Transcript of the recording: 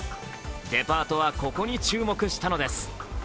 デパートは、ここに注目したのです